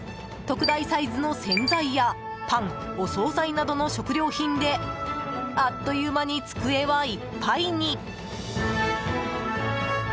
特大サイズの洗剤やパン、お総菜などの食料品であっという間に机はいっぱいに。